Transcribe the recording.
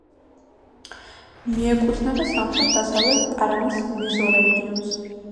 მიეკუთვნება სამხრეთ-დასავლეთ პარანის მეზორეგიონს.